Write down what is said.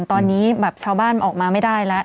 ตอนนี้แบบชาวบ้านออกมาไม่ได้แล้ว